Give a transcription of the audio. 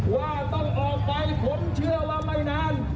ว่าต้องออกไปผลเชื่อว่าไม่นาน